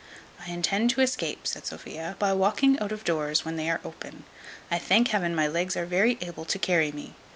"I intend to escape," said Sophia, "by walking out of the doors when they are open. I thank Heaven my legs are very able to carry me.